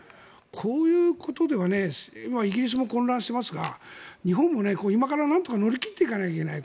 こういうことでは今、イギリスも混乱していますが日本も今からなんとか乗り切っていかないといけない。